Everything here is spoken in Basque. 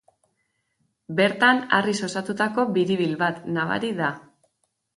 Bertan harriz osatutako biribil bat nabari da.